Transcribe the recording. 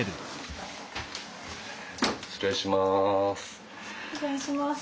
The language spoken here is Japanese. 失礼します。